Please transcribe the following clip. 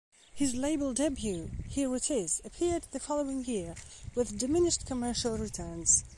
His label debut, "Here It Is", appeared the following year, with diminished commercial returns.